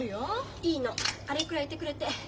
いいのあれくらい言ってくれて。